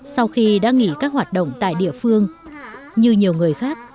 sau khi đã nghỉ các hoạt động tại địa phương như nhiều người khác